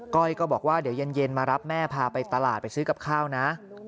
ก้อยก็บอกว่าเดี๋ยวเย็นมารับแม่พาไปตลาดไปซื้อกับข้าวนะ